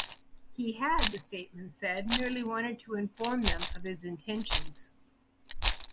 He had, the statement said, merely wanted to inform them of his intentions.